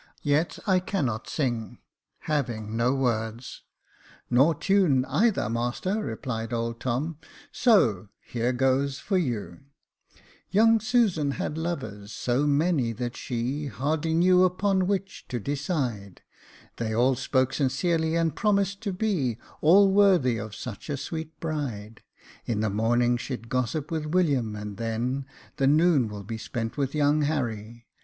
Yet I cannot sing — having no words " "Nor tune, either, master," replied old Tom; "so here goes for you —" Young Susan had lovers, so many, that she Hardly knew upon which to decide ; They all spoke sincerely, and promised to be All worthy of such a sweet bride. In the morning she'd gossip with William, and then The noon will be spent with young Harry.